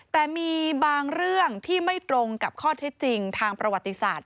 แต่มีบางเรื่องที่ไม่ตรงกับข้อเท็จจริงทางประวัติศาสตร์